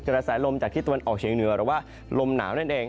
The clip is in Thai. กระแสลมจากที่ตะวันออกเชียงเหนือหรือว่าลมหนาวนั่นเอง